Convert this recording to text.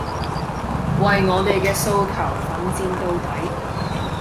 為我哋嘅訴求奮戰到底